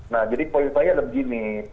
nah jadi poin saya adalah begini